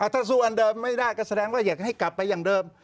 ถ้าสู้อันเดิมไม่ได้ก็แสดงว่าอยากให้กลับไปอย่างเดิม